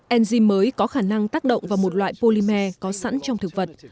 enzym mới có khả năng tác động vào một loại polymer có sẵn trong thực vật